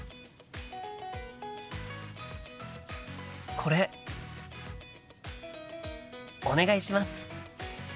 これお願いします。